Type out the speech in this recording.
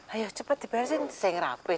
ayo cepat dibersihkan saya ngerapai toh lek